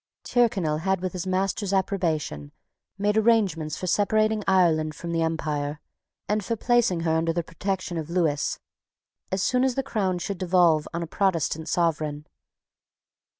Tyrconnel had, with his master's approbation, made arrangements for separating Ireland from the empire, and for placing her under the protection of Lewis, as soon as the crown should devolve on a Protestant sovereign.